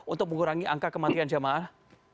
untuk mengurangi angka kematian jamaah